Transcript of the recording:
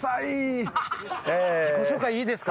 自己紹介いいですか？